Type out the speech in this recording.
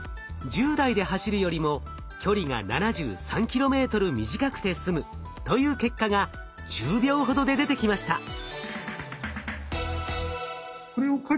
１０台で走るよりも距離が７３ｋｍ短くてすむという結果が１０秒ほどで出てきました。